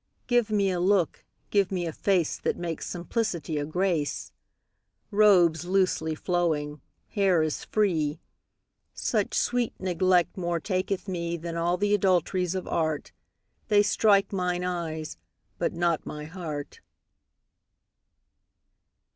Give me a look, give me a face That makes simplicity a grace; Robes loosely flowing, hair as free: Such sweet neglect more taketh me 10 Than all th' adulteries of art; They strike mine eyes, but not my heart.